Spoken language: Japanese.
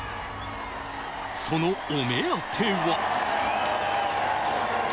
そのお目当ては。